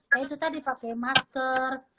nah itu tadi pakai masker